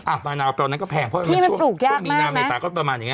อ่ะมะน่าวตอนนั้นก็แพง